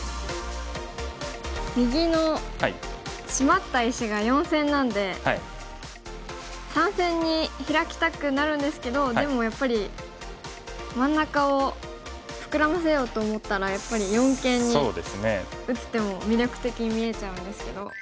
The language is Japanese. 右のシマった石が４線なんで３線にヒラきたくなるんですけどでもやっぱり真ん中を膨らませようと思ったらやっぱり四間に打つ手も魅力的に見えちゃうんですけど。